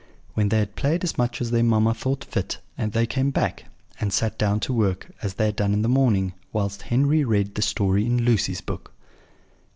When they had played as much as their mamma thought fit, they came back, and sat down to work, as they had done in the morning, whilst Henry read the story in Lucy's book.